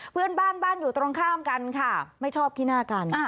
เพื่อนบ้านบ้านอยู่ตรงข้ามกันค่ะไม่ชอบขี้หน้ากัน